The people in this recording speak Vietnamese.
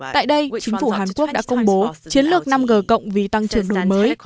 tại đây chính phủ hàn quốc đã công bố chiến lược năm g cộng vì tăng trưởng đổi mới